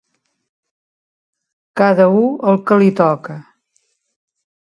Cada u el que li toca.